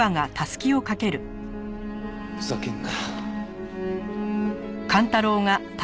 ふざけんな。